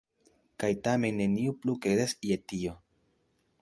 Kaj tamen neniu plu kredas je tio.